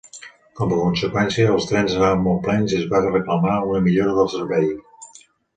Com a conseqüència, els trens anaven molt plens i es va reclamar una millora del servei.